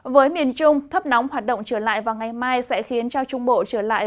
với miền trung thấp nóng hoạt động trở lại vào ngày mai sẽ khiến cho trung bộ trở lại